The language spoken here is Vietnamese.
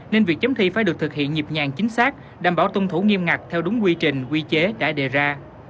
nên việc chấm thi phải được thực hiện nhịp nhàng chính xác đảm bảo tuân thủ nghiêm ngặt theo đúng quy trình quy chế đã đề ra